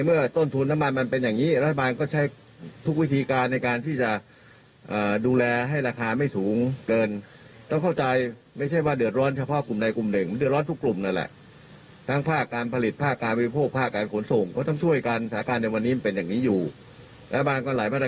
มันเป็นอย่างนี้อยู่และบางคนหลายบรรยาการก็ทำมาอย่างต่อเนื่องเข้าใจไหม